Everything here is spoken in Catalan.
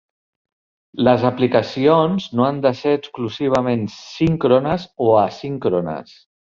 Les aplicacions no han de ser exclusivament síncrones o asíncrones.